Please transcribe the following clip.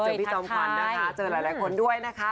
พี่จอมขวัญนะคะเจอหลายคนด้วยนะคะ